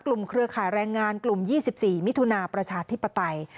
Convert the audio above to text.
เครือข่ายแรงงานกลุ่ม๒๔มิถุนาประชาธิปไตย